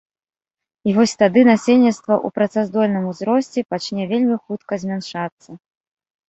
І вось тады насельніцтва ў працаздольным узросце пачне вельмі хутка змяншацца.